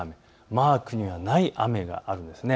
マークにはない雨があるんです。